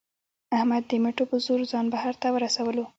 احمد د مټو په زور ځان بهر ته ورسولو.